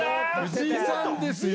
藤井さんですよ！